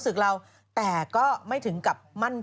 จากกระแสของละครกรุเปสันนิวาสนะฮะ